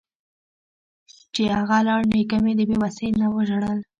چې اغه لاړ نيکه مې د بې وسۍ نه وژړل.